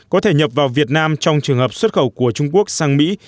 có thể nhập vào việt nam trong trường hợp xuất khẩu của trung quốc sang mỹ